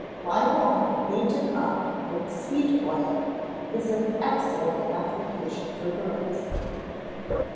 Lime water beaten up with sweet oil is an excellent application for burns.